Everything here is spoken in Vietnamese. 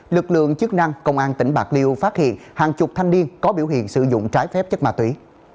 lực lượng chức năng công an tỉnh bạc liêu phát hiện hàng chục thanh niên có biểu hiện sử dụng trái phép chất ma túy